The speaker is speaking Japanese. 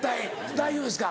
大丈夫ですか？